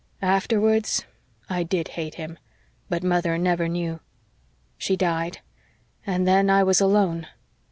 Afterwards I DID hate him but mother never knew. She died and then I was alone.